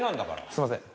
すいません